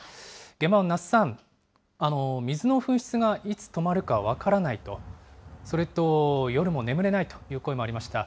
現場の奈須さん、水の噴出がいつ止まるか分からないと、それと、夜も眠れないという声もありました。